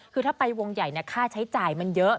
คือถ้าไปวงใหญ่ค่าใช้จ่ายมันเยอะ